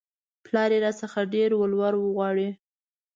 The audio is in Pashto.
پلار يې راڅخه ډېر ولور غواړي